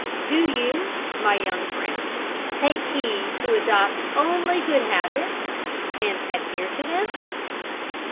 Do you, my young friends, take heed to adopt only good habits, and adhere to them.